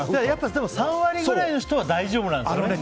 でも３割ぐらいの人は大丈夫なんですね。